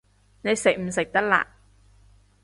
你食唔食得辣